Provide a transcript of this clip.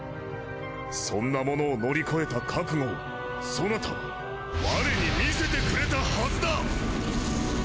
そんなものを乗り越えた覚悟をそなたはわれに見せてくれたはずだ！